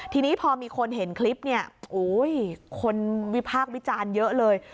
ทีนี้พอมีคนเห็นคลิปนี่คนวิภาควิจารณ์เยอะเลย